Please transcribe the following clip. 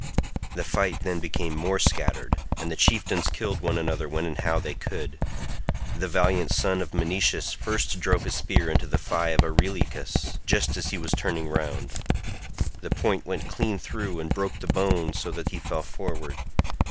The fight then became more scattered, and the chieftains killed one another when and how they could. The valiant son of Menoetius first drove his spear into the thigh of Areilycus just as he was turning round; the point went clean through, and broke the bone so that he fell forward.